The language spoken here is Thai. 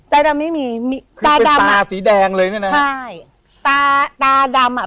ตาดำไม่มีมีตาดำตาสีแดงเลยเนี่ยนะใช่ตาตาดำอ่ะ